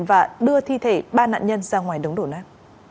và đưa thi thể ba nạn nhân ra ngoài đống đổ nát